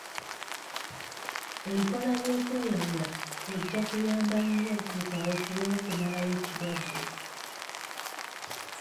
Enkola oy’okweyawula ejja kuyamba nnyo mu kaweefube w'okumalawo ekirwadde.